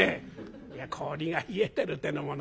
「いや氷が冷えてるってのもないがな。